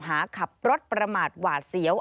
หาขับรถประมาทหวาดเสียว